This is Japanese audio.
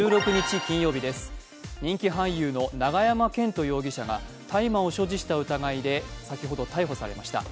人気俳優の永山絢斗容疑者が大麻を所持した疑いで先ほど逮捕されました。